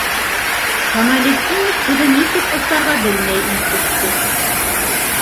- Камалетдинов һүҙен нисек осларға белмәй интекте.